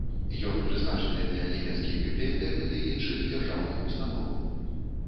Ён прызначаны для нямецкіх бібліятэк ды іншых дзяржаўных установаў.